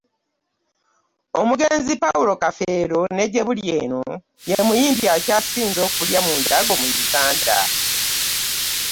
Omugenzi Paulo Kafeero ne gyebuli eno ye muyimbi akyasinze okulya mu ndago mu Uganda